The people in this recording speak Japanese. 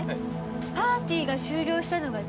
パーティーが終了したのが１４時。